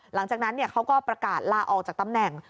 หลังจากนั้นเขาก็ประกาศลาออกจากตำแหน่ง